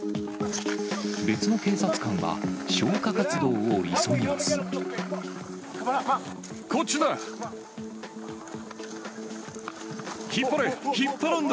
別の警察官は、消火活動を急ぎまこっちだ。